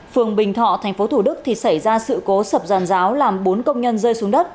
phường bình thọ thành phố thủ đức xảy ra sự cố sập giàn giáo làm bốn công nhân rơi xuống